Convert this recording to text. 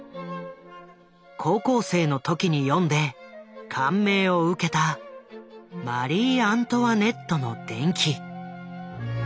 高校生の時に読んで感銘を受けたマリー・アントワネットの伝記。